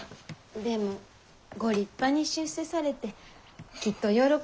でもご立派に出世されてきっと喜んでおられよう。